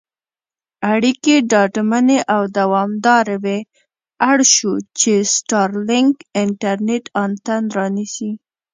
اړیکې ډاډمنې او دوامدارې وي اړ شو، چې سټارلېنک انټرنېټ انتن رانیسي.